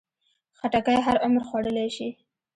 خټکی هر عمر خوړلی شي.